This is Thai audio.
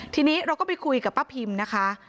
ทีนี้เราก็ไปคุยกับป้าพิมนะคะ